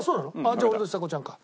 じゃあ俺とちさ子ちゃんか。